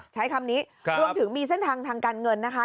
ใช้คำนี้รวมถึงมีเส้นทางทางการเงินนะคะ